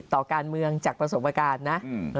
ต่อการเมืองจากประสบการณ์นะ